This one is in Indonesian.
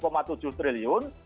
dan sudah dilakukan